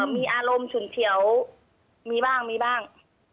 มีอารมณ์ฉุนเฉียวมีบ้าง